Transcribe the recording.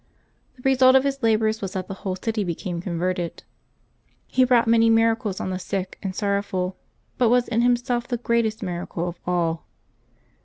The result of his labors was that the whole city became converted. LIVES OF TEE SAINTS 399 He wrought many miracles on the sick and sorrowful, but was in himself the greatest miracle of all.